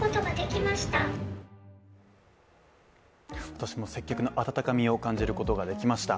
私も接客の温かみを感じることができました。